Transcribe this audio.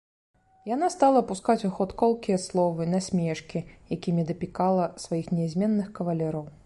Яна стала пускаць у ход колкія словы, насмешкі, якімі дапікала сваіх нязменных кавалераў.